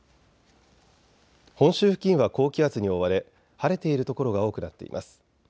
本州付近は高気圧に覆われ晴れている所が多くなっています。